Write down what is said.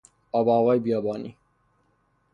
آب و هوای بیابانی